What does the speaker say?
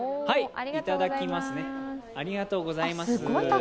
いただきます、ありがとうございます。